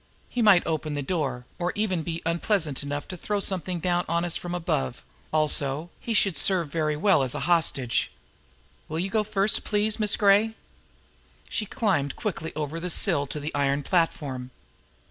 He might open the door, or even be unpleasant enough to throw something down on us from above; also he should serve us very well as a hostage. Will you go first, please, Miss Gray?" She climbed quickly over the sill to the iron platform.